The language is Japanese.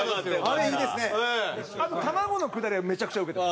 あと卵のくだりはめちゃくちゃウケて。